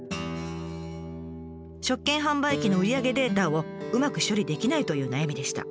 食券販売機の売り上げデータをうまく処理できないという悩みでした。